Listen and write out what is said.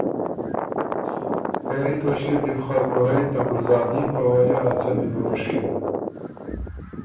پېری توݭکيې ن دی بو خه کُورئ ته ګلزادین په وجه ا څمی بروشکِن